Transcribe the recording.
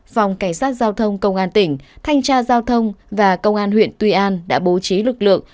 phòng cảnh sát giao thông công an tỉnh thanh tra giao thông và công an huyện tuy an đã bố trí lực lượng